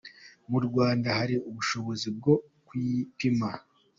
Mu Rwanda hari ubushobozi bwo kuyipima.